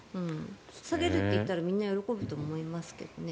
下げるって言ったらみんな喜ぶと思いますけどね。